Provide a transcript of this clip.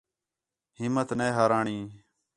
ہِمّت نے ہارا ہُݨیں